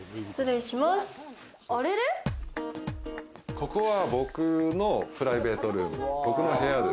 ここは僕のプライベートルーム。